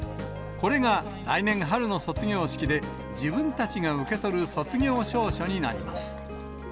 これが来年春の卒業式で、自分たちが受け取る卒業証書になります。